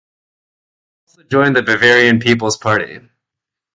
He also joined the Bavarian People's Party.